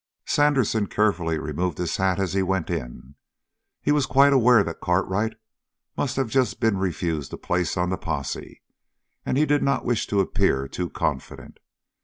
Sandersen carefully removed his hat as he went in. He was quite aware that Cartwright must have been just refused a place on the posse, and he did not wish to appear too confident.